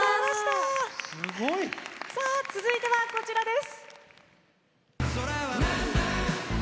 続いてはこちらです。